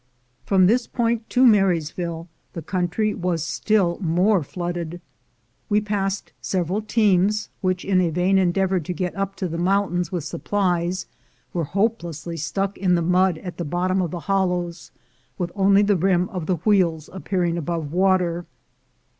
From this point to Marysville the country was still more flooded. We passed several teams, which, in a vain endeavor to get up to the mountains with sup plies, were hopelessly stuck in the mud at the bot tom of the hollows, with only the rim of the wheels appearing above water.